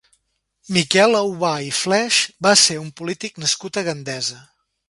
Miquel Aubà i Fleix va ser un polític nascut a Gandesa.